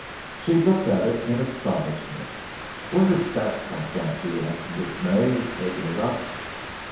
She looked at it in astonishment. "Where did that come from?" she asked in dismay, taking it up.